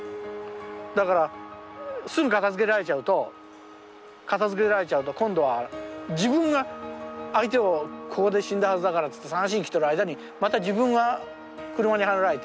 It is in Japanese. だからすぐ片づけられちゃうと片づけられちゃうと今度は自分が相手をここで死んだはずだからつって捜しに来てる間にまた自分が車にはねられて。